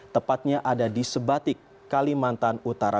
tepatnya ada di sebatik kalimantan utara